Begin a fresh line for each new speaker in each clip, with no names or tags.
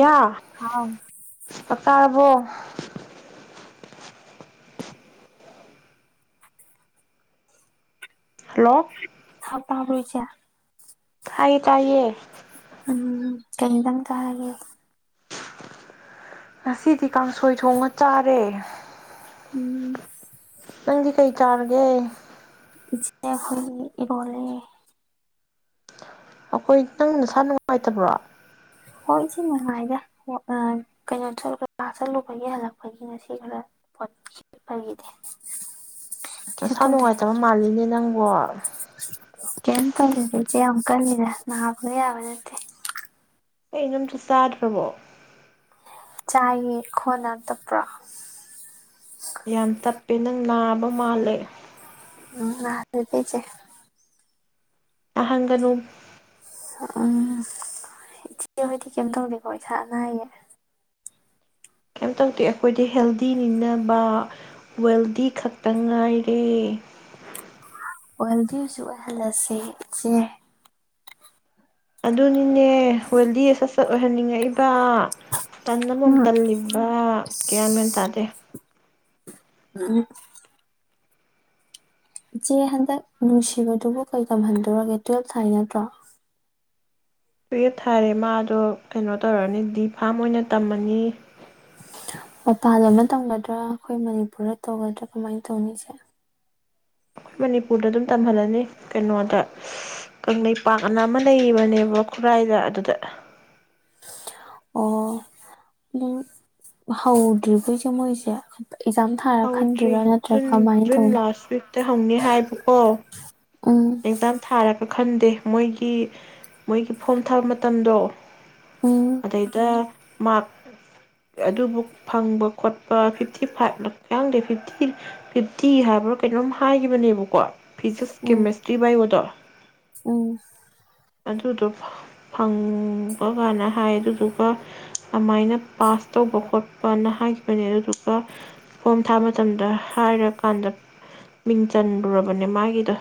ꯌꯥ
ꯑꯥꯎ
ꯑ ꯇꯥꯔꯕꯣ ꯍꯜꯂꯣ
ꯇꯥꯕꯣꯏꯁꯦ
ꯍꯥꯏꯥꯏ ꯇꯏꯌꯦ
ꯎꯝ ꯀꯗꯝ ꯀꯒꯦ
ꯉꯁꯤꯗꯤ ꯀꯥꯡꯁꯣꯏ ꯊꯣꯡꯉ ꯆꯥꯔꯦ
ꯎꯝ
ꯄꯪꯗꯤ ꯀꯩ ꯆꯥꯔꯒꯦ
ꯈꯣꯏ ꯋꯥꯔꯤꯣ
ꯑꯩꯈꯣꯏ ꯅꯪ ꯅꯁꯥ ꯅꯨꯡꯉꯥꯏꯇꯕ꯭ꯔꯣ
ꯍꯣꯏ ꯏ ꯅꯨꯡꯉꯥꯏꯔꯦ ꯀꯩꯅꯣ ꯆꯠꯂ ꯆꯠꯂꯨꯕꯒꯤ ꯍꯜꯂꯛꯄꯒꯤꯅ ꯁꯤ ꯈꯔ ꯄꯣꯠꯄꯒꯤꯗꯤ
ꯅꯁꯥ ꯅꯨꯡꯉꯥꯏꯇꯕ ꯃꯥꯜꯂꯤꯅꯦ ꯅꯪꯕꯣ
ꯀꯩꯝ ꯇꯧꯗꯦꯗ ꯏꯆꯦ ꯌꯥꯝ ꯀꯜꯂꯤꯗ ꯅꯍꯥꯛꯄꯅ ꯌꯥꯕ ꯅꯠꯇꯦ
ꯀꯩꯅꯣꯝꯁꯨ ꯆꯥꯗ꯭ꯔꯕꯣ
ꯆꯥꯏꯌꯦ ꯈꯣꯟꯅ ꯇꯄ꯭ꯔꯥ
ꯌꯥꯝ ꯇꯞꯄꯦ ꯅꯪ ꯅꯥꯕ ꯃꯥꯜꯂꯦ
[unintelligible]
ꯑꯍꯪꯒꯅꯨ
ꯎꯝ ꯏꯆꯦ ꯍꯣꯏꯗꯤ ꯀꯩꯝ ꯇꯧꯒꯦꯀꯣ ꯏꯁꯥ ꯑꯅꯥ ꯑꯌꯦꯛꯌꯦ
ꯀꯩꯝꯇꯧꯗꯧ ꯑꯩꯈꯣꯏꯗꯤ ꯍꯦꯜꯗꯤ ꯅꯤꯕ ꯋꯦꯜꯗꯤ ꯈꯛꯇ ꯉꯥꯏꯔꯦ
ꯑꯣꯏꯍꯜꯗꯤ ꯑꯣꯏꯖꯤꯛ ꯑꯣꯏꯍꯜꯂꯁꯦ ꯏꯆꯦ
ꯑꯗꯨ ꯍꯗꯤꯁ ꯑꯣꯏꯍꯟꯅꯤꯡꯉꯛꯗ ꯇꯟꯅꯃꯣꯝ
ꯎꯝ
ꯇꯜꯂꯤꯕ ꯀꯌꯥꯅꯅ ꯇꯥꯗꯦ
ꯎꯝ ꯏꯆꯦ ꯍꯟꯗꯛ ꯅꯨꯡꯁꯤꯕꯗꯨꯕꯨ ꯀꯩ ꯇꯝꯍꯟꯗꯧꯔꯒꯦ ꯇꯨꯋꯦꯞ ꯊꯥꯏ ꯅꯠꯇ꯭ꯔꯣ
ꯇꯨꯌꯦ ꯊꯥꯔꯦ ꯃꯥꯗꯣ ꯀꯩꯅꯣ ꯇꯧꯔꯅꯤ ꯗꯤꯞ ꯐꯥꯝ ꯑꯣꯏꯅ ꯇꯝꯃꯅꯤ
ꯃꯄꯥꯟ ꯂꯝꯗ ꯇꯝꯒꯗ꯭ꯔꯥ ꯑꯩꯈꯣꯏ ꯃꯅꯤꯄꯨꯔꯗ ꯇꯧꯒꯗ꯭ꯔꯥ ꯀꯃꯥꯏꯅ ꯇꯧꯅꯤꯁꯦ
ꯑꯩꯈꯣꯏ ꯃꯅꯤꯄꯨꯔꯗ ꯑꯗꯨꯝ ꯇꯝꯍꯜꯂꯅꯤ ꯀꯩꯅꯣꯗ ꯀꯪꯂꯩꯄꯥꯛ ꯑꯅ ꯑꯃ ꯂꯩꯔꯤꯕꯅꯦꯕ ꯈꯨꯔꯥꯏꯗ ꯑꯗꯨꯗ
ꯍꯥꯎꯗ꯭ꯔꯤꯕꯩꯁꯦ ꯃꯣꯏꯁꯦ ꯑꯦꯛꯖꯥꯝ ꯊꯥꯔ
ꯍꯧꯗ꯭ꯔꯤ
ꯈꯟꯗꯣꯏꯔꯥ ꯅꯠꯇ꯭ꯔꯒ
ꯖꯨꯟ
ꯀꯃꯥꯏꯅ
ꯖꯨꯟ
ꯇꯧꯅꯤ
ꯂꯥꯁ ꯋꯤꯛꯇ ꯍꯧꯅꯤ ꯍꯥꯏꯕꯀꯣ
ꯎꯝ
ꯑꯦꯛꯖꯥꯝ ꯊꯥꯔꯛ ꯈꯟꯗꯦ ꯃꯣꯏꯒꯤ ꯃꯣꯏꯒꯤ ꯐꯣꯝ ꯊꯥꯕ ꯃꯇꯝꯗꯣ
ꯎꯝ
ꯑꯗꯩꯗ ꯃꯥꯔꯛ ꯑꯗꯨꯕꯨ ꯐꯪꯕ ꯈꯣꯠꯄ ꯐꯤꯐꯇꯤ ꯐꯥꯏꯚ ꯌꯥꯗꯦ ꯐꯤꯐꯇꯤ ꯐꯤꯐꯇꯤ ꯍꯥꯏꯕ꯭ꯔꯥ ꯀꯩꯅꯣꯝ ꯍꯥꯏꯈꯤꯕꯅꯦꯕꯀꯣ ꯐꯤꯖꯤꯛꯁ ꯀꯦꯃꯦꯁꯇ꯭ꯔꯤ ꯍꯥꯏꯕꯗꯣ
ꯑ
ꯑꯗꯨꯗꯣ ꯐꯪꯕ ꯀꯥꯟꯅ ꯍꯥꯏ ꯑꯗꯨꯗꯨꯒ ꯑꯗꯨꯃꯥꯏꯅ ꯄꯥꯁ ꯇꯧꯕ ꯈꯣꯠꯄꯅ ꯍꯥꯏꯈꯤꯕꯅꯦ ꯑꯗꯨꯗꯨꯒ ꯐꯣꯝ ꯊꯥ ꯃꯇꯝꯗ ꯍꯥꯏꯔꯀꯥꯟꯗ ꯃꯤꯡ ꯆꯜꯂꯨꯔꯕꯅꯦ ꯃꯥꯒꯤꯗꯣ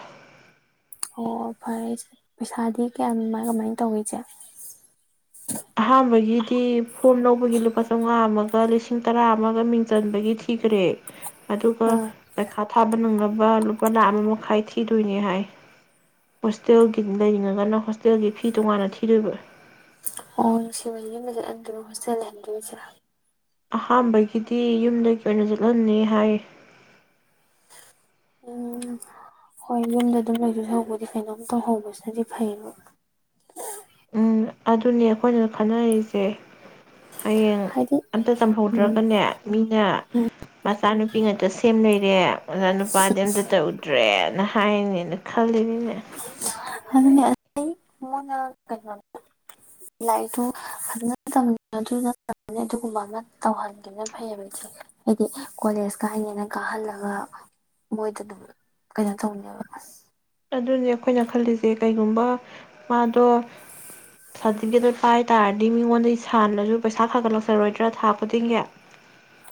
ꯑꯣ ꯐꯔꯦ ꯄꯩꯁꯥꯗꯤ ꯀꯌꯥꯝꯃꯥꯏ ꯀꯃꯥꯏꯅ ꯇꯧꯏ ꯏꯆꯦ
ꯑꯍꯥꯟꯕꯒꯤꯗꯤ ꯐꯣꯝ ꯂꯧꯕꯒꯤ ꯂꯨꯄꯥ ꯆꯥꯝꯃꯉꯥ ꯑꯃꯒ ꯂꯤꯁꯤꯡ ꯇꯔꯥ ꯑꯃꯒ ꯃꯤꯡ ꯆꯟꯕꯒꯤ ꯊꯤꯈ꯭ꯔꯦ ꯑꯗꯨꯒ
ꯑꯥ
ꯄꯩꯈꯥ ꯊꯥꯕ ꯅꯪꯂꯕ ꯂꯨꯄꯥ ꯂꯨꯄꯥ ꯂꯥꯛ ꯑꯃ ꯃꯈꯥꯏ ꯊꯤꯗꯣꯏꯅꯦ ꯍꯥꯏ ꯍꯣꯁꯇꯦꯜꯒꯤ ꯂꯩꯔꯤꯉꯒꯅ ꯍꯣꯁꯇꯦꯜꯒꯤ ꯐꯤ ꯇꯣꯉꯥꯟꯅ ꯊꯤꯗꯣꯏꯕ
ꯑꯣ ꯁꯤꯕ ꯌꯦꯡꯕ ꯆꯠꯍꯟꯗꯣꯏꯅ ꯍꯣꯁꯇꯦꯜ ꯂꯩꯍꯟꯗꯣꯏꯔꯤꯁꯤꯔ
ꯑꯍꯥꯥꯟꯕꯒꯤꯗꯤ ꯌꯨꯝꯗꯒꯤ ꯀ ꯑꯣꯏꯅ ꯆꯠꯍꯜꯅꯤ ꯍꯥꯏ
ꯎꯝ ꯍꯣꯏ ꯌꯨꯝꯗ ꯗꯨꯝ ꯂꯧꯗꯧꯁꯔꯨꯛꯃꯨꯗꯤ ꯀꯩꯅꯣꯝ ꯇꯧꯍꯧꯕꯁꯤꯅꯗꯤ ꯐꯩꯌꯦꯕ
ꯎꯝ ꯑꯗꯨꯅꯦ ꯑꯩꯈꯣꯏꯅ ꯈꯟꯅꯔꯤꯖꯦ ꯍꯌꯦꯡ
ꯍꯥꯏꯗꯤ
ꯑꯝꯇ
ꯎꯝ
ꯆꯝꯍꯧꯗ꯭ꯔꯒꯅꯦ ꯃꯤꯅ ꯃꯆꯥꯅꯨꯄꯤ ꯉꯠꯇ ꯁꯦꯝ ꯂꯩꯔꯦ ꯑꯣꯖꯥ ꯅꯨꯄꯥꯗꯤ ꯑꯝꯇ ꯇꯧꯗ꯭ꯔꯦꯅ ꯍꯥꯏꯌꯦꯅꯦꯅ ꯈꯜꯂꯤꯅꯤ
ꯑꯗꯨꯅꯦ ꯑꯩ ꯃꯣꯏꯅ ꯀꯩꯅꯣ ꯂꯥꯏꯔꯤꯛꯇꯨ ꯐꯖꯅ ꯇꯝ ꯑꯗꯨ ꯑꯗꯨꯒꯨꯝꯕ ꯑꯃ ꯇꯧꯍꯟꯒꯦꯅ ꯐꯩꯌꯦꯕ ꯏꯗꯤ ꯍꯥꯏꯗꯤ ꯀꯣꯂꯦꯖ ꯀꯥꯏꯅꯦꯅ ꯀꯥꯍꯜꯂꯒ ꯃꯣꯏꯗ ꯑꯗꯨꯝ ꯀꯩꯅꯣ ꯇꯧꯅꯦꯕ
ꯑꯗꯨꯅꯦ ꯑꯩꯈꯣꯏꯅ ꯈꯜꯂꯤꯁꯦ ꯀꯩꯒꯨꯝꯕ ꯃꯥꯗꯣ ꯁꯥꯔꯇꯤꯀꯤꯗꯣ ꯄꯥꯏ ꯇꯥꯔꯗꯤ ꯃꯤꯉꯣꯟꯗ ꯁꯥꯟꯅꯁꯨ ꯄꯩꯁꯥ ꯈꯥꯒꯠꯂꯛꯆꯔꯣꯏꯗ꯭ꯔꯥ ꯊꯥ ꯈꯨꯗꯤꯡꯒꯤ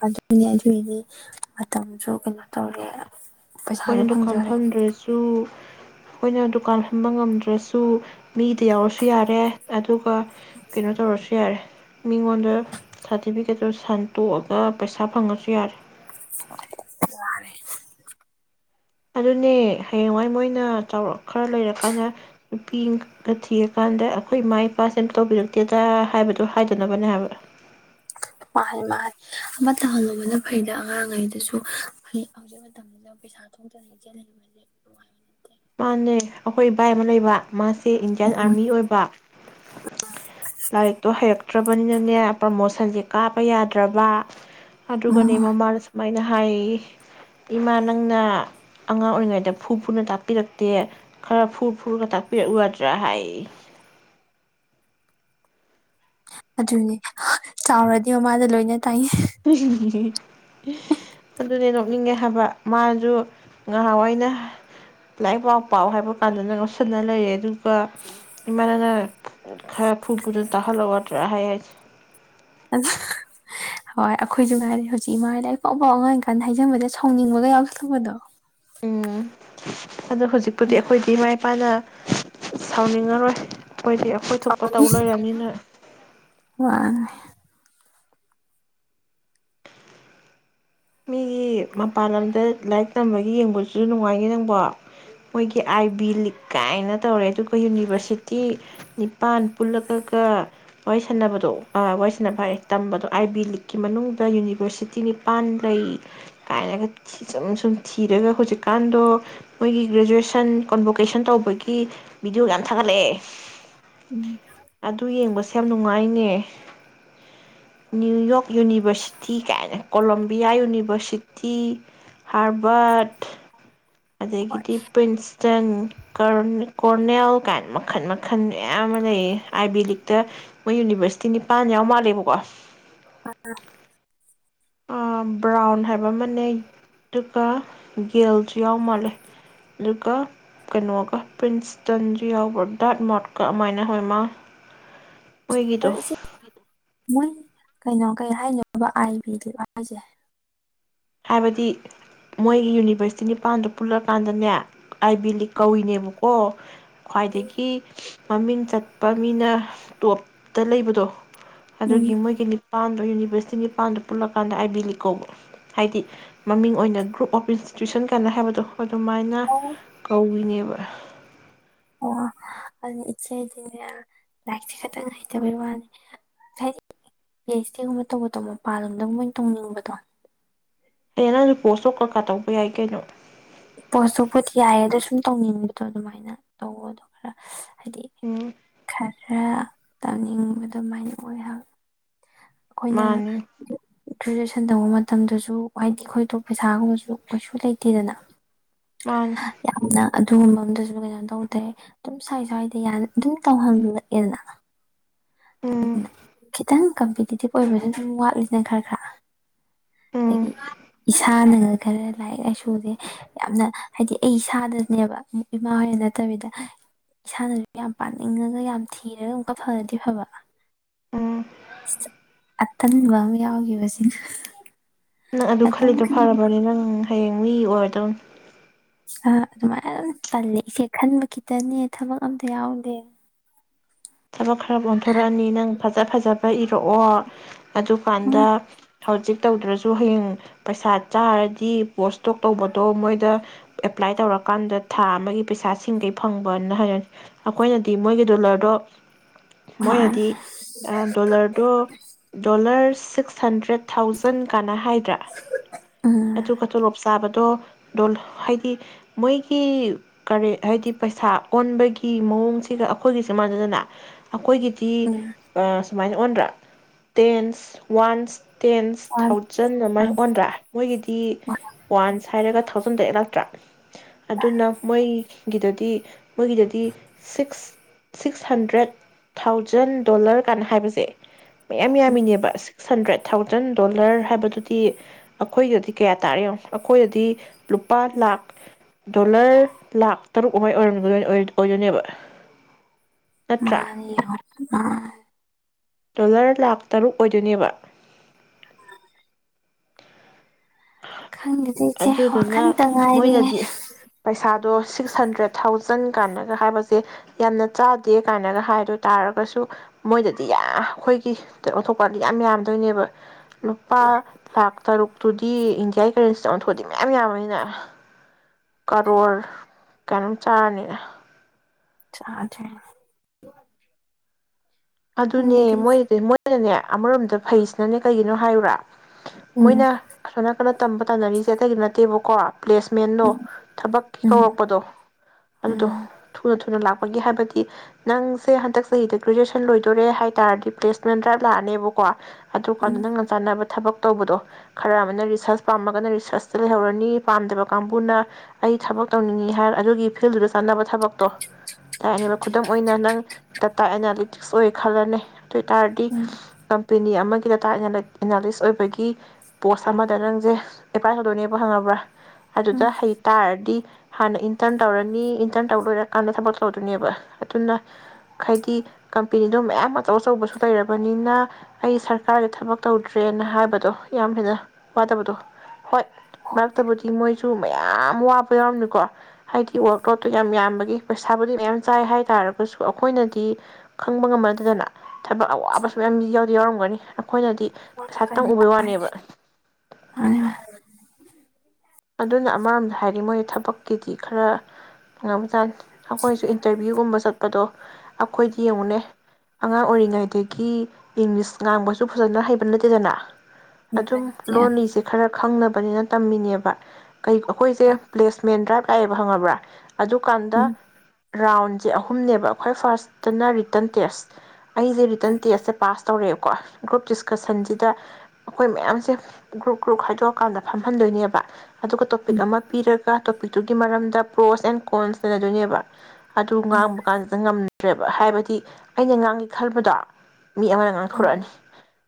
ꯑꯗꯨꯅꯦ ꯑꯗꯨꯏꯅꯦ ꯃꯇꯝꯁꯨ ꯀꯩꯅꯣ ꯇꯧꯔꯦ ꯄꯩꯁꯥꯁꯨ
ꯈꯣꯏꯅ ꯗꯨꯀꯥꯟ
ꯐꯪꯖꯔꯦ ꯌꯥꯔꯦ.
ꯐꯝꯗ꯭ꯔꯖꯨ ꯈꯣꯏꯅ ꯗꯨꯀꯥꯟ ꯐꯟꯝꯕ ꯉꯝꯗ꯭ꯔꯁꯨ ꯃꯤꯗ ꯌꯥꯎꯔꯁꯨ ꯌꯥꯔꯦ ꯑꯗꯨꯒ ꯀꯩꯅꯣ ꯇꯧꯔꯁꯨ ꯌꯥꯔꯦ ꯃꯤꯉꯣꯟꯗ ꯁꯥꯔꯇꯤꯐꯤꯀꯦꯠꯇꯣ ꯁꯟꯇꯣꯛꯑꯒ ꯄꯩꯁꯥ ꯐꯪꯉꯁꯨ ꯌꯥꯔꯦ
ꯌꯥꯔꯦ
ꯑꯗꯨꯅꯦ ꯍꯌꯦꯡꯋꯥꯏ ꯃꯣꯏꯅ ꯆꯥꯎꯔꯛ ꯈꯔ ꯂꯩꯔꯀꯥꯟꯗ ꯅꯨꯄꯤ ꯑꯪꯀ ꯊꯤꯔꯀꯥꯟꯗ ꯑꯩꯈꯣꯏ ꯏꯃꯥ ꯏꯄꯥꯁꯦ ꯑꯝ ꯇꯧꯕꯤꯔꯛꯇꯦꯗ ꯍꯥꯏꯕꯗꯣ ꯍꯥꯏꯗꯅꯕꯅꯦ ꯍꯥꯏꯕ
ꯃꯥꯅꯤ ꯃꯥꯜ ꯑꯃ ꯇꯧꯍꯜꯂꯨꯕꯅ ꯐꯩꯗ ꯑꯉꯥꯡꯉꯩꯗꯁꯨ ꯐꯩ ꯍꯧꯖꯤꯛ ꯃꯇꯝꯁꯤꯗ ꯄꯩꯁꯥ ꯊꯣꯛꯇꯅ ꯏꯖꯦꯜ ꯍꯕꯁꯦ ꯅꯨꯡꯉꯥꯏꯕ ꯅꯠꯇꯦ
ꯃꯥꯅꯦ ꯑꯩꯈꯣꯏ ꯏꯕꯥꯏ ꯑꯃ ꯂꯩꯕ ꯃꯥꯁꯦ ꯏꯟꯗꯤꯌꯥꯟ ꯑꯥꯔꯃꯤ ꯑꯣꯏꯕ ꯂꯥꯏꯔꯤꯛꯇꯣ ꯍꯩꯔꯛ ꯇ꯭ꯔꯕꯅꯤꯅꯅꯦ ꯄ꯭ꯔꯃꯣꯁꯟꯁꯦ ꯀꯥꯄ ꯌꯥꯗ꯭ꯔꯕ ꯑꯗꯨꯒꯅꯦ ꯃꯃꯥꯜꯁ ꯃꯥꯏꯅ ꯍꯥꯏ ꯌꯌꯦ ꯏꯃꯥ ꯅꯪꯅ ꯑꯉꯥꯡ ꯑꯣꯏꯔꯤꯉꯩꯗ ꯐꯨ ꯐꯨꯅ ꯇꯥꯛꯄꯤꯔꯛ ꯗꯦ ꯈꯔ ꯐꯨ ꯐꯨꯔ ꯇꯥꯛꯄꯤꯔꯛꯎꯗ꯭ꯔꯥ ꯍꯥꯏ
ꯑꯗꯨꯅꯦ ꯆꯥꯎꯔꯗꯤ ꯃꯃꯥꯗ ꯂꯣꯏꯅ ꯇꯥꯏ
ꯑꯗꯨꯅ ꯅꯤꯡꯉꯦ ꯍꯥꯏꯕ ꯃꯥꯖꯨ ꯉꯥꯍꯥꯟꯋꯥꯏꯅ ꯂꯥꯏꯔꯤꯛ ꯄꯥꯎ ꯄꯥꯎ ꯍꯥꯏꯕ ꯀꯥꯟꯗꯅ ꯉꯣꯁꯤꯟꯅ ꯂꯩꯔꯦ ꯑꯗꯨꯒ ꯏꯃꯥꯅꯅ ꯈꯔ ꯐꯨ ꯐꯨꯗꯅ ꯇꯥꯍꯜꯂꯧꯌꯗ꯭ꯔꯥ ꯍꯥꯏ ꯍꯥꯏꯁꯤ
ꯍꯣꯏ ꯑꯩꯈꯣꯏꯁꯨ ꯉꯥꯏꯔꯤ ꯍꯧꯖꯤꯛ ꯏꯃꯥ ꯑꯅ ꯂꯥꯏꯔꯤꯛ ꯄꯥꯎꯕꯥꯎ ꯑꯉꯥꯡ ꯑꯧꯏꯀꯥꯟꯗ ꯍꯥꯏꯖꯟꯕꯗ ꯁꯥꯎꯅꯤꯡꯕꯒ ꯌꯥꯎꯁꯜꯂꯛꯄꯗꯣ
ꯎꯝ ꯑꯗꯣ ꯍꯧꯖꯤꯛꯄꯨꯗꯤ ꯑꯩꯈꯣꯏꯗꯤ ꯏꯃꯥ ꯏꯄꯥꯅ ꯁꯥꯎꯅꯤꯡꯉꯔꯣꯏ ꯑꯩꯈꯣꯏꯗꯤ ꯑꯩꯈꯣꯏ ꯊꯣꯛꯄ ꯇꯧ
ꯁꯥꯎꯅꯤꯡ
ꯂꯩꯔꯝꯅꯤꯅ
ꯋꯥꯅꯦ
ꯃꯤꯒꯤ ꯃꯄꯥꯜ ꯂꯝꯗ ꯂꯥꯏꯔꯤꯛ ꯇꯝꯕꯒꯤ ꯌꯦꯡꯕꯖꯨ ꯅꯨꯡꯉꯥꯏꯅꯤ ꯅꯪꯕꯣ ꯃꯣꯏꯒꯤ ꯑꯥꯏ ꯕꯤ ꯂꯤꯛ ꯀꯥꯏꯅ ꯇꯧꯔꯦ ꯑꯗꯨꯒ ꯌꯨꯅꯤꯚꯔꯁꯤꯇꯤ ꯅꯤꯄꯥꯟ ꯄꯨꯜꯂꯒꯒ ꯋꯥꯔꯤ ꯁꯥꯟꯅꯕꯗꯣ ꯑ ꯋꯔꯤ ꯁꯥꯟꯅꯕ ꯑ ꯋꯥꯔꯤ ꯁꯅꯕ ꯑꯥꯏ ꯇꯝꯕꯗꯣ ꯑꯥꯏ ꯕꯤ ꯂꯤꯛꯀꯤ ꯃꯅꯨꯡꯗ ꯌꯨꯅꯤꯚꯔꯁꯤꯇꯤ ꯅꯤꯄꯟ ꯂꯩ ꯀꯥꯏꯅꯒ ꯁꯨꯝ ꯁꯨꯝ ꯊꯤꯔꯒ ꯍꯨꯖꯤꯛꯀꯥꯟꯗꯣ ꯃꯣꯏꯒꯤ ꯒ꯭ꯔꯦꯖꯨꯑꯦꯁꯟ ꯀꯣꯟꯚꯣꯀꯦꯁꯟ ꯇꯧꯕꯒꯤ ꯚꯤꯗꯤꯑꯣ ꯌꯥꯝ ꯊꯥꯒꯠꯂꯛꯑꯦ
ꯎꯝ
ꯑꯗꯨ ꯌꯦꯡꯕꯁꯦ ꯌꯥꯝ ꯅꯨꯡꯉꯥꯏꯅꯦ ꯅ꯭ꯌꯨꯌꯣꯛ ꯌꯨꯅꯤꯚꯔꯁꯤꯇꯤ ꯀꯥꯏꯅ ꯀꯣꯂꯣꯝ ꯕꯤꯑꯥ ꯌꯨꯅꯤꯚꯔꯁꯤꯇꯤ ꯍꯥꯔꯕꯥꯔꯠ
ꯍꯣꯏ
ꯑꯗꯒꯤꯗꯤ ꯄ꯭ꯔꯤꯟꯁꯇꯟ ꯀꯔꯟ ꯀꯣꯔꯅꯦꯜ ꯀꯥꯏꯅ ꯃꯈꯜ ꯃꯈꯜ ꯃꯌꯥꯝ ꯑꯃ ꯂꯩꯌꯦ ꯑꯥꯏ ꯕꯤ ꯂꯤꯛꯇ ꯃꯣꯏ ꯌꯨꯅꯤꯚꯔꯁꯤꯇꯤ ꯅꯤꯄꯥꯟ ꯌꯥꯎ ꯃꯥꯜꯂꯦꯕꯀꯣ
ꯑ ꯑ
ꯑ ꯕ꯭ꯔꯥꯎꯟ ꯍꯥꯏꯕ ꯑꯃ ꯅꯩ ꯑꯗꯨꯒ ꯒꯦꯜꯁꯨ ꯌꯥꯎ ꯃꯥꯜꯂꯦ ꯑꯗꯨꯒ ꯀꯩꯅꯣꯒ ꯄ꯭ꯔꯤꯟꯁꯇꯟꯁꯨ ꯌꯥꯎꯕ꯭ꯔ ꯗꯥꯠ ꯃꯣꯠꯀ ꯑꯧꯃꯥꯏꯅ ꯍꯣꯏ ꯃꯥ ꯑꯣꯏꯒꯤ ꯗꯣ
ꯍꯣꯏ ꯏꯆꯦ ꯃꯣꯏ ꯀꯩꯅꯣ ꯀꯩ ꯍꯥꯏꯅꯣꯏꯕ ꯑꯥꯏ ꯕꯤ ꯍꯥꯏꯁꯦ
ꯍꯥꯏꯕꯗꯤ ꯃꯣꯏꯒꯤ ꯌꯨꯅꯤꯚꯔꯁꯤꯇꯤ ꯅꯤꯄꯥꯟꯗ ꯄꯨꯜꯂꯛꯀꯥꯟꯗꯅꯦ ꯑꯥꯏ ꯕꯤꯂꯤ ꯀꯧꯏꯅꯦꯕꯀꯣ ꯈ꯭ꯋꯥꯏꯗꯒꯤ ꯃꯃꯤꯡ ꯆꯠꯄ ꯃꯤꯅ ꯇꯣꯞꯇ ꯂꯩꯕꯗꯣ
ꯎꯝ
ꯑꯗꯨꯒꯤ ꯃꯣꯏꯒꯤ ꯅꯤꯄꯥꯟꯗ ꯋꯦꯁꯇꯤꯟ ꯄꯥꯟꯗ ꯄꯨꯜꯂꯀꯥꯟꯗ ꯑꯥꯏꯕꯤꯂꯤꯛ ꯀꯧꯕ ꯍꯥꯏꯗꯤ ꯃꯃꯤꯡ ꯑꯣꯏꯅ ꯒ꯭ꯔꯨꯞ ꯑꯣꯐ ꯏꯟꯁꯇꯤꯇ꯭ꯌꯨꯁꯟ ꯀꯅ ꯍꯥꯏꯕꯗꯣ ꯑꯗꯨꯃꯥꯏꯅ
ꯑꯣ
ꯀꯧꯏꯅꯦꯕ
ꯑꯣ ꯑꯗꯨꯗꯤ ꯏꯆꯦꯗꯤꯅꯦ ꯂꯥꯏꯔꯤꯛꯁꯦ ꯈꯇꯪ ꯍꯩꯇꯕꯩ ꯋꯥꯅꯤ ꯍꯥꯏꯗꯤ ꯄꯤ ꯑꯩꯆ ꯗꯤꯒꯨꯝꯕ ꯇꯧꯕꯗꯣ ꯃꯄꯥꯟꯂꯣꯝꯗꯪ ꯃꯣꯏꯅ ꯇꯣꯡꯅꯤꯡꯕꯗꯣ
ꯍ ꯅꯪ ꯔꯤ ꯄꯣꯁꯇꯣ ꯀꯀꯥ ꯇꯧꯕ ꯌꯥꯏ ꯀꯩꯅꯣ
ꯄꯣꯇꯣ ꯄꯣꯠ ꯌꯥꯏꯌꯦ ꯑꯗꯣ ꯁꯨꯝ ꯇꯧꯅꯤꯡꯕꯗꯣ ꯑꯗꯨꯃꯥꯏꯅ ꯇꯧꯋ ꯑꯗꯣ ꯈꯔ ꯍꯥꯏ
ꯎꯝ
ꯈ ꯈꯔ ꯇꯝꯅꯤꯡꯕ ꯑꯗꯨꯃꯥꯏꯅ ꯑꯣꯏ ꯍꯥꯏꯕ
ꯃꯥꯅꯤ
ꯑꯩꯈꯣꯏꯅ꯭ꯔꯦ ꯁꯟ ꯇꯕ ꯃꯇꯝꯗꯁꯨ ꯍꯥꯏꯗꯤ ꯑꯩꯈꯣꯏꯗꯣ ꯄꯩꯁꯥꯒꯨꯝꯕꯁꯨ ꯀꯩꯁꯨ ꯂꯩꯇꯦꯗꯅ
ꯃꯥꯅꯤ
ꯌꯥꯝꯅ ꯑꯗꯨꯒꯨꯝꯕ ꯑꯝꯗꯨꯁꯨ ꯀꯩꯅꯣ ꯇꯧꯗꯦ ꯑꯗꯨꯝ ꯁ꯭ꯋꯥꯏ ꯁ꯭ꯋꯥꯏꯗ ꯑꯗꯨꯝ ꯇꯧꯍꯜꯂꯛꯑꯦꯅ
ꯎꯝ
ꯑꯗꯨꯅ ꯈꯤꯇꯪ ꯀꯝꯄꯤꯇꯤꯇꯤꯚ ꯑꯣꯏꯕꯁꯨ ꯑꯗꯨꯝ ꯋꯥꯠꯂꯤꯁꯤꯅ ꯈꯔ ꯈꯔ
ꯎꯝ
ꯑꯗꯒꯤ ꯏꯁꯥꯅ ꯈꯔ ꯂꯥꯏꯔꯤꯛ ꯂꯥꯏꯁꯨꯁꯦ ꯌꯥꯝꯅ ꯍꯥꯏꯗꯤ ꯑꯩ ꯏꯁꯥꯗꯅꯦꯕ ꯏꯃꯥ ꯍꯣꯏꯅ ꯅꯠꯇꯕꯤꯗ ꯏꯁꯥꯅꯁꯨ ꯌꯥꯝ ꯄꯥꯅꯤꯡꯉꯒ ꯌꯥꯝ ꯊꯤꯔꯒ ꯑꯃꯨꯛꯀ ꯐꯔꯗꯤ ꯐꯕ
ꯎꯝ
ꯑꯇꯟꯕ ꯑꯃ ꯌꯥꯎꯈꯤꯕꯁꯤꯡ
ꯅꯪ ꯑꯗꯨ ꯈꯜꯂꯤꯗꯣ ꯐꯔꯕꯅꯤ ꯅꯪ ꯍꯌꯦꯡ ꯃꯤ ꯑꯣꯏꯔꯗꯧꯅꯤ
ꯑꯗꯨꯃꯥꯏꯅ ꯑꯗꯨ ꯄꯜꯂꯦ ꯏꯆꯦ ꯈꯟꯕ ꯈꯤꯇꯅꯦ ꯊꯕꯛ ꯑꯝꯇ ꯌꯥꯎꯗꯦ
ꯊꯕꯛ ꯈꯔ ꯑꯣꯟꯊꯣꯔꯛꯑꯅꯤ ꯅꯪ ꯐꯖ ꯐꯖꯕ ꯏ ꯊꯣꯛꯑꯣ ꯑꯗꯨꯀꯥꯟꯗ
ꯎꯝ
ꯍꯧꯖꯤꯛ ꯇꯧꯗ꯭ꯔꯁꯨ ꯍꯌꯦꯡ ꯄꯩꯁꯥ ꯆꯥꯔꯗꯤ ꯄꯣꯁꯇꯣꯛ ꯇꯧꯕꯗꯣ ꯃꯣꯏꯗ ꯑꯦꯄ꯭ꯂꯥꯏ ꯇꯧꯔꯀꯥꯟꯗ ꯊꯥ ꯑꯃꯒꯤ ꯄꯩꯁꯥꯁꯤꯡꯈꯩ ꯐꯪꯕꯅ ꯍꯥꯏꯔꯅꯤ ꯑꯩꯈꯣꯏꯅꯗꯤ ꯃꯣꯏꯒꯤ ꯗꯣꯂꯔꯗꯣ ꯃꯣꯏꯅꯗꯤ ꯗꯣꯂꯔꯗꯣ ꯗꯣꯂꯔ ꯁꯤꯛꯁ ꯍꯟꯗ꯭ꯔꯦꯠ ꯊꯥꯎꯖꯟ ꯀꯥꯟꯅ ꯍꯥꯏꯗ꯭ꯔꯥ
ꯎꯝ
ꯑꯗꯨꯒ ꯇꯣꯂꯣꯞ ꯆꯥꯕꯗꯣ ꯗ ꯍꯥꯏꯗꯤ ꯃꯣꯏꯒꯤ ꯀꯔꯤ ꯍꯥꯏꯗꯤ ꯄꯩꯁꯥ ꯑꯣꯟꯕꯒꯤ ꯃꯑꯣꯡꯁꯤꯒ ꯑꯩꯈꯣꯏꯒꯤ ꯁꯦ ꯃꯥꯟꯅꯗꯅ ꯑꯩꯈꯣꯏꯒꯤ
ꯎꯝ
ꯁꯨꯃꯥꯏꯅ ꯑꯣꯟꯗ꯭ꯔꯥ ꯇꯦꯟꯁ ꯋꯥꯟꯁ ꯇꯦꯟꯁ ꯊꯥꯎꯖꯟ ꯑꯃ ꯑꯣꯟꯗ꯭ꯔꯥ ꯃꯣꯏꯒꯤꯗꯤ ꯋꯥꯟꯁ ꯍꯥꯏꯔꯒ ꯊꯥꯎꯖꯟꯗ ꯑꯦꯂꯥꯛꯇ꯭ꯔꯥ ꯑꯗꯨꯅ ꯃꯣꯏ ꯒꯤꯗꯗꯤ ꯃꯣꯏꯒꯤꯗꯗꯤ six six hundred trade thousand dollar ꯀꯥꯟꯅ ꯍꯥꯏꯕꯁꯦ ꯃꯌꯥꯝ ꯌꯥꯝꯃꯤꯅꯦꯕ ꯁꯤꯛꯁ ꯍꯟꯗ꯭ꯔꯦꯠ ꯊꯥꯎꯖꯟ ꯗꯣꯂꯔ ꯍꯥꯏꯕꯗꯨꯗꯤ ꯑꯩꯈꯣꯏꯒꯗꯤ ꯀꯌꯥ ꯇꯥꯔꯤꯦꯣ ꯑꯩꯈꯣꯏꯗꯗꯤ ꯂꯨꯄꯥ ꯂꯥꯛ ꯗꯣꯂꯔ ꯂꯥꯛ ꯇꯔꯨꯛ ꯑꯃꯥꯏ ꯑꯣꯏꯔꯝꯒꯗ ꯑꯣꯏꯗꯣꯏꯅꯦꯕ ꯅꯠꯇ꯭ꯔꯥ
ꯃꯥꯅꯤ
ꯗꯣꯂꯔ ꯂꯥꯛꯈ ꯇꯔꯨꯛ ꯑꯣꯏꯗꯣꯏꯅꯦꯕ
[inaudible] ꯈꯪꯗꯗꯦ ꯏꯆꯦ
ꯑꯗꯨꯗꯨꯅ
ꯋꯥꯈꯟꯇ ꯉꯥꯏꯔꯦꯦ
ꯑꯗꯣ ꯁꯤꯛꯁ ꯍꯟꯗ꯭ꯔꯦꯠ ꯊꯥꯎꯖꯟ ꯀꯥꯏꯅꯒ ꯍꯥꯏꯕꯁꯦ ꯌꯥꯝꯅ ꯆꯥꯗꯦ ꯀꯥꯏꯅꯒ ꯍꯥꯏꯗ ꯇꯥꯔꯒꯁꯨ ꯃꯣꯏꯗꯗꯤ ꯌꯥꯝ ꯑꯩꯈꯣꯏꯒꯤ ꯑꯣꯟꯊꯣꯛꯄꯥꯟꯗꯤ ꯌꯥꯝ ꯌꯥꯝꯗꯣꯏꯅꯦꯕ ꯅꯨꯨꯄꯥ ꯂꯥꯛ ꯇꯔꯨꯛꯇꯨ ꯁꯤ ꯏꯟꯗꯤꯌꯥꯒꯤ ꯀꯔꯦꯟꯁꯤꯗ ꯑꯃꯟꯊꯣꯛꯗꯤ ꯃꯌꯥꯝ ꯌꯥꯝꯕꯅꯤꯅ ꯀꯔꯣꯔ ꯀꯩꯅꯣꯝ ꯆꯥꯔꯅꯤꯅ
ꯆꯥꯖ
ꯑꯗꯨꯅꯦ ꯃꯣꯏꯗꯤ ꯃꯣꯏꯅꯅꯦ ꯑꯃꯔꯣꯝꯗ ꯐꯩꯁꯤꯅꯅꯦ ꯀꯩꯒꯤꯅꯣ ꯍꯥꯏꯔꯨꯔꯥ
ꯎꯝ
ꯃꯣꯏꯅ ꯁꯅ ꯀꯩꯅꯣ ꯇꯝꯕ ꯇꯥꯟꯅꯔꯤꯁꯦ ꯑꯇꯩꯗꯤ ꯅꯠꯇꯦꯕꯀꯣ ꯄ꯭ꯂꯦꯁꯃꯦꯟꯗꯣ
ꯎꯝ
ꯊꯕꯛꯀꯤ
ꯎꯝ
ꯀꯧꯔꯛꯄꯗꯣ ꯑꯗꯨꯗꯣ
ꯎꯝ
ꯊꯨꯅ ꯊꯨꯅ ꯂꯥꯛꯄ ꯑꫭꯏꯅꯤ ꯍꯥꯏꯕꯗꯤ ꯅꯪꯁꯦ ꯍꯟꯗꯛ ꯆꯍꯤꯗ ꯒ꯭ꯔꯦꯖꯁ ꯂꯣꯏꯗꯣꯔꯦ ꯍꯥꯏ ꯇꯥꯔꯗꯤ ꯄ꯭ꯂꯦꯁꯃꯦꯟ ꯗ꯭ꯔꯥꯏꯞ ꯂꯥꯛꯑꯅꯦꯕꯀꯣ ꯑꯗꯨ ꯀꯥꯟꯗ ꯅꯪꯅ ꯆꯥꯟꯅꯕ ꯊꯕꯛ ꯇꯧꯕꯗꯣ ꯈꯔ ꯑꯃꯅ ꯔꯤꯁꯔꯁ ꯄꯥꯝꯃꯒꯅ ꯔꯤꯁꯔꯁꯇ ꯂꯩꯍꯧꯔꯅꯤ, ꯄꯥꯝꯗꯕ ꯀꯥꯡꯕꯨꯅ ꯑꯩ ꯊꯕꯛ ꯇꯧꯅꯤꯡꯏ ꯍꯥꯏꯔꯒ ꯑꯗꯨꯒꯤ ꯐꯤꯜꯗꯨꯗ ꯆꯅꯕ ꯊꯕꯛꯇꯣ ꯇꯥꯛꯅꯦꯕ ꯈꯨꯗꯝ ꯑꯣꯏꯅ ꯅꯪ ꯇꯇꯥ ꯑꯅꯥꯂꯤ ꯊꯤꯛꯁ ꯑꯣꯏ ꯈꯜꯜ ꯂꯩ꯫ ꯗꯨꯏꯇꯥꯔꯗꯤ
ꯎꯝ
ꯀꯝꯄꯤ ꯑꯅꯤ ꯑꯃꯒꯤ ꯗꯇꯥ ꯑꯦꯅꯥꯂꯤꯁ ꯑꯣꯏꯕꯒꯤ ꯄꯣꯁ ꯑꯃꯗ ꯅꯪꯁꯦ ꯑꯦꯄ꯭ꯂꯥꯏ ꯇꯧꯗꯣꯏꯅꯦꯕ ꯈꯪꯉꯕ꯭ꯔꯥ
ꯎꯝ ꯎꯝ
ꯑꯗꯨꯗ ꯍꯩꯇꯥꯥꯔꯗꯤ ꯍꯥꯟꯅ ꯏꯟꯇꯔꯟ ꯇꯧꯔꯅꯤ, ꯏꯟꯇꯔꯟ ꯇꯧꯕ ꯂꯣꯏꯔꯀꯥꯟꯗ ꯊꯕꯛ ꯇꯧꯗꯣꯏꯅꯦꯕ ꯑꯗꯨꯅ ꯈꯥꯏꯗꯤ ꯀꯝꯄꯦꯅꯤꯗꯣ ꯃꯌꯥꯝ ꯑꯆꯧ ꯑꯆꯧꯕꯁꯨ ꯂꯩꯔꯕꯅꯤꯅ ꯑꯩ ꯁꯔꯀꯥꯔꯒꯤꯦ ꯊꯕꯛ ꯇꯧꯗ꯭ꯔꯦꯅ ꯍꯥꯏꯕꯗꯣ, ꯌꯥꯝ ꯍꯦꯟꯅ ꯋꯥꯗꯕꯗꯣ ꯍꯣꯏ ꯃꯔꯛꯇꯕꯨꯗꯤ ꯃꯣꯏ ꯁꯨ ꯃꯌꯥꯝ ꯋꯥꯕ ꯌꯥꯎꯔꯝꯃꯤꯀꯣ, ꯍꯥꯏꯗꯤ ꯋꯔꯥꯛ ꯂꯣꯠꯇꯣ ꯌꯥꯝ ꯌꯥꯝꯕꯒꯤ ꯄꯩꯁꯥꯕꯨꯗꯤ ꯃꯌꯥꯝ ꯆꯥꯏ ꯍꯥꯏ ꯇꯥꯔꯒꯁꯨ ꯑꯩꯈꯣꯏꯅꯗꯤ ꯈꯪꯕ ꯉꯝꯃꯗꯨꯗꯅ ꯊꯕꯛ ꯑꯋꯥꯕꯁꯨ ꯃꯌꯥꯝ ꯌꯥꯎꯗꯤ ꯌꯥꯎꯔꯝꯒꯅꯤ꯫ ꯑꯩꯈꯣꯏꯅꯗꯤ ꯉꯩꯁꯇꯪ ꯎꯕꯩ
ꯑꯩꯈꯣꯏ
ꯋꯥꯅꯦꯕ꯫ ꯑꯗꯨꯅ ꯑꯃꯔꯣꯝꯗ ꯍꯥꯏꯗꯤ ꯃꯣꯏ ꯊꯕꯛꯀꯤꯗꯤ ꯈꯔ [unintelligible] ꯑꯈꯣꯏꯁꯨ ꯏꯟꯇꯔꯚꯤꯌꯨꯒꯨꯝꯕ ꯆꯠꯄꯗꯣ ꯑꯈꯣꯏꯗꯤ ꯌꯦꯡꯉꯨꯅꯦ ꯑꯉꯥꯡ ꯑꯣꯏꯔꯤꯉꯩꯗꯒꯤ ꯏꯪꯂꯤꯁ ꯉꯥꯡꯕꯁꯨ ꯐꯖꯅ ꯍꯩꯕ ꯅꯠꯇꯦꯗꯅ꯫ ꯑꯗꯨꯝ ꯂꯣꯟꯂꯤꯁꯦ ꯈꯔ ꯈꯪꯅꯕꯅꯤꯅ ꯇꯝꯃꯤꯅꯦꯕ꯫ ꯀꯩ ꯑꯈꯣꯏꯁꯦ ꯄ꯭ꯂꯦꯁꯃꯦꯟ ꯗ꯭ꯔꯥꯏꯞ ꯇꯥꯏꯌꯦꯕ ꯍꯪꯑꯕ꯭ꯔꯥ ꯑꯗꯨꯀꯥꯟꯗ ꯔꯥꯎꯟꯁꯦ ꯑꯍꯨꯝꯅꯦꯕ ꯑꯩꯈꯣꯏ ꯐꯥꯔꯁꯇꯅ ꯔꯤꯇꯟ ꯇꯦꯁ꯫ ꯑꯩꯁꯦ ꯔꯤꯇꯔꯟ ꯇꯦꯁ ꯁꯦ ꯄꯥꯁ ꯇꯧꯔꯛꯑꯦꯕꯀꯣ ꯒ꯭ꯔꯨꯞ ꯗꯤꯁꯀꯁꯟꯁꯤꯗ, ꯑꯩꯈꯣꯏ ꯃꯌꯥꯝꯁꯦ ꯒ꯭ꯔꯨꯞ-ꯒ꯭ꯔꯨꯞ ꯈꯗꯣꯛꯑꯀꯥꯟꯗ ꯐꯝꯍꯟꯗꯣꯏꯅꯦꯕ꯫ ꯑꯗꯨꯒ ꯇꯣꯄꯤꯛ ꯑꯃ ꯄꯤꯔ ꯀ ꯇꯣꯄꯤꯛꯇꯨꯒꯤ ꯃꯔꯝꯗ ꯄ꯭ꯔꯣꯁ ꯑꯦꯟ ꯀꯣꯟꯁ ꯅꯩꯅꯗꯣꯏꯅꯦꯕ꯫ ꯑꯗꯨ ꯉꯥꯡꯕ ꯀꯥꯟꯁꯤꯗ ꯉꯝ ꯗ꯭ꯔꯦꯕ ꯍꯥꯏꯕꯗꯤ ꯑꯩꯅ ꯉꯥꯡꯒꯦ ꯈꯟꯕꯗꯣ ꯃꯤ ꯑꯃꯅ ꯉꯥꯡꯊꯣꯔꯛꯑꯅꯤ꯫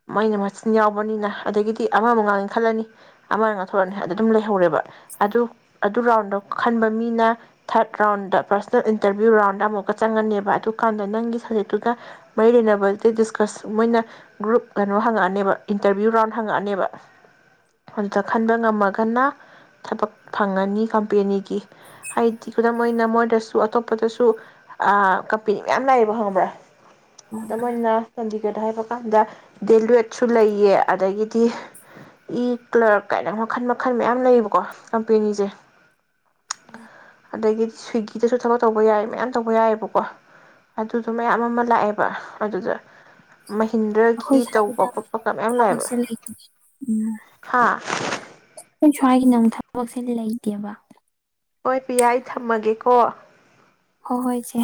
ꯃꯣꯏꯅ ꯃꯆꯤꯟ ꯌꯥꯎꯕꯅꯤꯅ ꯑꯗꯒꯤꯗꯤ ꯑꯃ ꯑꯃꯨꯛ ꯉꯥꯡꯒꯦ ꯈꯜꯂꯅꯤ ꯑꯃꯅ ꯉꯥꯡꯊꯣꯔꯛꯅꯤ ꯑꯗꯨ ꯑꯗꯨꯝ ꯂꯩ ꯍꯧꯔꯦꯕ ꯑꯗꯨ ꯑꯗꯨ ꯔꯥꯎꯟꯗꯣ ꯈꯟꯕ ꯃꯤꯅ third round personal interview round ꯑꯃꯨꯛꯀ ꯆꯪꯉꯅꯦꯕ ꯑꯗꯨꯀꯥꯟꯗ ꯅꯪꯒꯤ ꯁꯕꯖꯦꯛꯇꯨꯒ ꯃꯔꯤ ꯂꯩꯅꯕꯗ ꯗꯤꯁꯀꯁ ꯃꯣꯏꯅ ꯒ꯭ꯔꯨꯞ ꯀꯩꯅꯣ ꯍꯪꯉꯛꯑꯅꯦꯕ ꯏꯟꯇꯔꯚ꯭ꯌꯨ ꯔꯥꯎꯟ ꯍꯪꯉꯛꯑꯅꯦꯕ ꯑꯗꯨꯗ ꯈꯟꯕ ꯉꯝꯃꯒ ꯀꯅꯥ ꯊꯕꯛ ꯐꯪꯉꯅꯤ ꯀꯝꯄꯦꯅꯤꯒꯤ ꯍꯥꯏꯗꯤ ꯈꯨꯗꯝ ꯑꯣꯏꯅ ꯃꯣꯏꯗꯁꯨ ꯑꯇꯣꯞꯄꯗꯁꯨ ꯀꯝꯄꯦꯅꯤ ꯃꯌꯥꯝ ꯂꯥꯛꯑꯦꯕ ꯈꯪꯕ꯭ꯔꯥ ꯑꯗꯣ ꯃꯣꯏꯅ ꯍꯥꯏꯕ ꯀꯥꯟꯗ ꯗꯦꯋꯦꯠꯁꯨ ꯂꯩꯌꯦ ꯑꯗꯒꯤꯗꯤ ꯏ ꯀ꯭ꯂꯔꯛ ꯀꯥꯏꯅ ꯃꯈꯜ ꯃꯈꯜ ꯃꯌꯥꯝ ꯂꯩꯌꯦꯕꯀꯣ ꯀꯝꯄꯦꯅꯤꯁꯦ
[unintelligible] [unintelligible]
ꯑꯗꯨꯗꯒꯤꯗꯤ ꯁ꯭ꯋꯤꯒꯤꯗꯁꯨ ꯊꯕꯛ ꯇꯧꯕ ꯌꯥꯏ ꯃꯌꯥꯝ ꯇꯧꯕ ꯌꯥꯏꯑꯕꯀꯣ ꯑꯗꯨꯗꯣ ꯃꯌꯥꯝ ꯑꯃ ꯂꯥꯛꯑꯦꯕ ꯑꯗꯨꯗ ꯃꯍꯤꯟꯗ꯭ꯔꯒꯤ ꯇꯧꯕ
ꯁ꯭ꯋꯥꯏꯒꯤꯅ
ꯈꯣꯠꯄ ꯀ ꯃꯌꯥꯝ ꯂꯥꯛꯑꯦꯕ
ꯊꯕꯛꯁꯦ ꯂꯩꯇꯦ
ꯍꯥ
ꯑꯈꯣꯏ ꯁ꯭ꯋꯥꯏꯒꯤꯅ ꯑꯃꯨꯛ ꯊꯕꯛꯁꯦ ꯂꯩꯇꯦꯕ
ꯍꯣꯏ ꯄꯤꯌꯥ ꯑꯩ ꯊꯝꯃꯒꯦꯀꯣ
ꯍꯣꯍꯣꯏ ꯏꯆꯦ